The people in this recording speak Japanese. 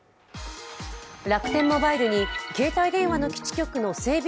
楽天モバイルに携帯電話の基地局の整備